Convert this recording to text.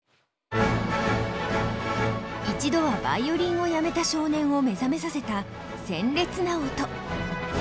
一度はヴァイオリンをやめた少年を目覚めさせた鮮烈な音。